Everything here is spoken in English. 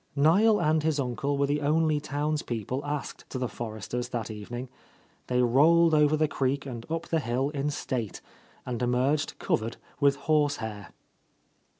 Niel and his uncle were the only townspeople asked to the Forresters' that evening; they rolled over the creek and up the hill in state, and emerged covered with horsehair.